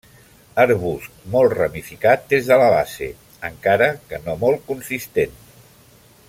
Arbust molt ramificat des de la base, encara que no molt consistent.